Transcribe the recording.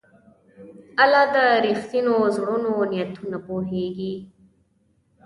الله د رښتینو زړونو نیتونه پوهېږي.